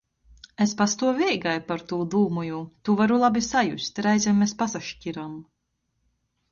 Es pastuoveigi par tū dūmoju, tū varu labi sajust, reizem mes pasaškiram.